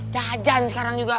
jajan sekarang juga